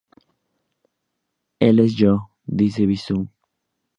Él es Yo, dice Vishnu.